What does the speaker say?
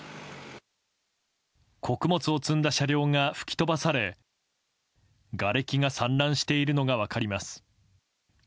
穀物を積んだ車両が吹き飛ばされがれきが散乱しているのが分かります。